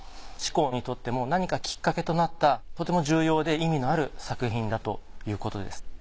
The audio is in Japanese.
志功にとっても何かきっかけとなったとても重要で意味のある作品だということです。